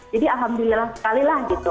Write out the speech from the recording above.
jadi alhamdulillah sekalilah gitu